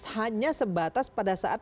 hanya sebatas pada saat